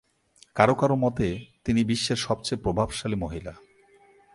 কারো কারো মতে তিনি বিশ্বের সবচেয়ে প্রভাবশালী মহিলা।